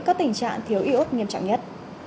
có tình trạng thiếu iốt nghiêm trọng nhất